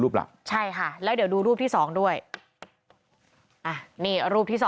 ลูปหลักใช่ค่ะแล้วเดี๋ยวดูรูปที่๒ด้วยให้นี่รูปที่๒